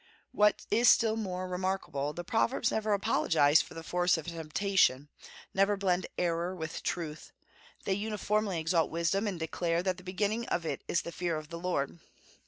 What is still more remarkable, the Proverbs never apologize for the force of temptation, and never blend error with truth; they uniformly exalt wisdom, and declare that the beginning of it is the fear of the Lord.